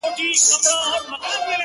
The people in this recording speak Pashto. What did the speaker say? هغه خو ما د خپل زړگي په وينو خـپـله كړله؛